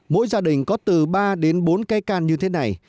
mỗi gia đình có từ ba đến bốn cây can như thế này